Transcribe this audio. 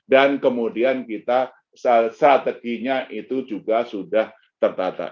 dan kemudian kita strateginya itu juga sudah tertata